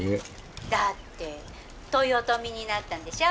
「だって豊臣になったんでしょ？